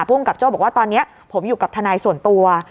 ภูมิกับโจ้บอกว่าตอนนี้ผมอยู่กับทนายส่วนตัว